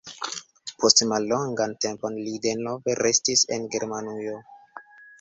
Poste mallongan tempon li denove restis en Germanujo.